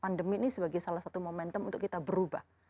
pandemi ini sebagai salah satu momentum untuk kita berubah